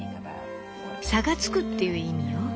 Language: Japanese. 「差がつく」っていう意味よ。